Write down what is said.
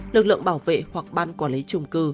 lực lượng bảo vệ hoặc ban quản lý trung cư